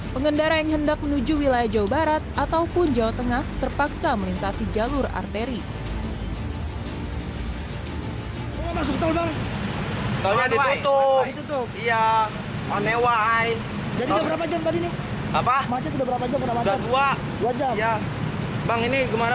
pengendara yang hendak menuju wilayah jawa barat ataupun jawa tengah terpaksa melintasi jalur arteri